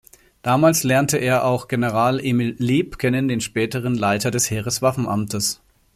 Damals lernte er auch General Emil Leeb kennen, den späteren Leiter des Heereswaffenamtes.